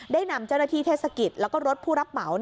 ได้นำเจ้าหน้าที่เทศกิจแล้วก็รถผู้รับเหมา